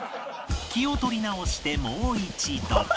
気を取り直してもう一度